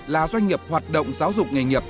là doanh nghiệp hoạt động giáo dục nghề nghiệp